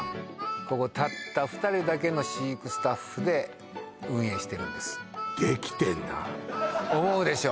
ここたった２人だけの飼育スタッフで運営してるんですできてんな思うでしょ